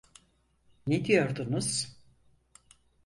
Ne diyordunuz?